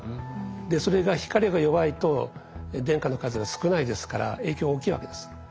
それが光が弱いと電荷の数が少ないですから影響大きいわけです。